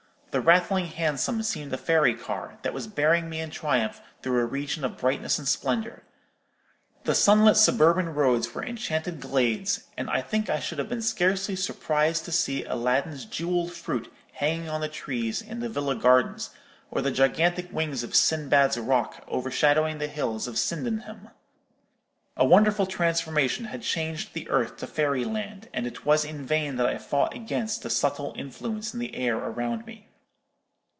The rattling Hansom seemed a fairy car, that was bearing me in triumph through a region of brightness and splendour. The sunlit suburban roads were enchanted glades; and I think I should have been scarcely surprised to see Aladdin's jewelled fruit hanging on the trees in the villa gardens, or the gigantic wings of Sinbad's roc overshadowing the hills of Sydenham. A wonderful transformation had changed the earth to fairy land, and it was in vain that I fought against the subtle influence in the air around me.